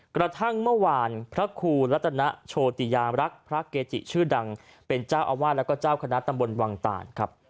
กระทั่งเมื่อวานพระครูรัตนโชติยามรักษ์พระเกจิชื่อดังเป็นเจ้าอาวาสแล้วก็เจ้าคณะตำบลวังตานครับ